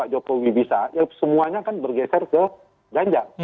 jokowi bisa ya semuanya kan bergeser ke ganjar